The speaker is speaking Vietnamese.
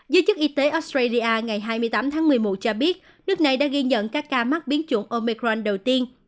giới chức y tế australia ngày hai mươi tám tháng một mươi một cho biết nước này đã ghi nhận các ca mắc biến chủng omecran đầu tiên